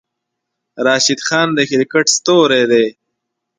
راشد خان د کرکیټ ستوری دی.